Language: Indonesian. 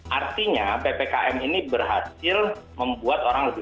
artinya ppkm ini berhasil membuat orang lebih